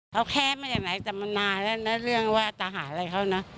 เค้าแค้นมาจากไหนตามนาแล้วนะเรื่องว่าต่างหาอะไรเค้านะ